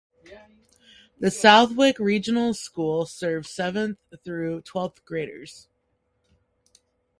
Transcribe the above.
The Southwick Regional School serves seventh through twelfth graders.